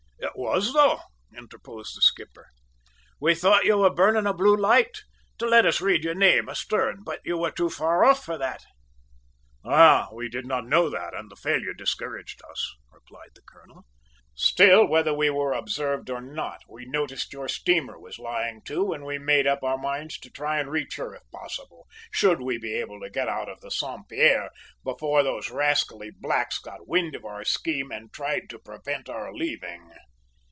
"It was, though," interposed the skipper. "We thought you were burning a blue light to let us read your name astern, but you were too far off for that!" "Ah! we did not know that, and the failure discouraged us," replied the colonel. "Still, whether we were observed or not, we noticed your steamer was lying to, and we made up our minds to try and reach her if possible, should we be able to get out of the Saint Pierre before those rascally blacks got wind of our scheme and tried to prevent our leaving.